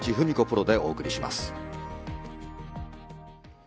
プロでお送りします。